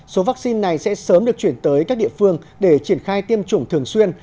số vaccine này sẽ sớm được chuyển tới các địa phương để triển khai tiêm chủng thường xuyên